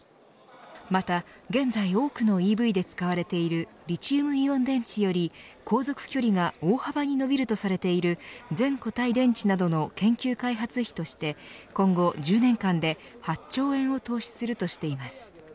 また現在多くのＥＶで使われているリチウムイオン電池より航続距離が大幅に伸びるとされている全固体電池などの研究開発費として今後１０年間で８兆円を投資するとしています。